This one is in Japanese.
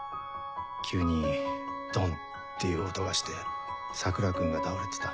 急にドンっていう音がして桜君が倒れてた。